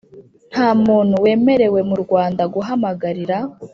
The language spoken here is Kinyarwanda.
Nta muntu wemerewe mu rwanda guhamagarira